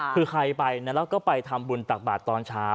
คือใครไปนะแล้วก็ไปทำบุญตักบาทตอนเช้า